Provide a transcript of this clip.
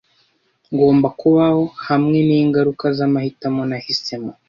Ngomba kubaho hamwe ningaruka zamahitamo nahisemo.